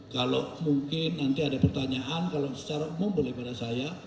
kalau mungkin nanti ada pertanyaan kalau secara umum boleh pada saya